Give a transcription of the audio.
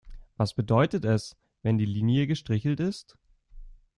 Was bedeutet es, wenn die Linie gestrichelt ist?